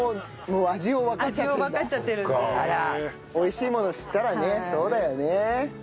美味しいもの知ったらねそうだよね。